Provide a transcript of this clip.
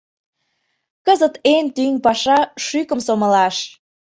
Кызыт эн тӱҥ паша — шӱкым сомылаш.